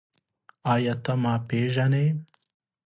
ایا ته ما پېژنې؟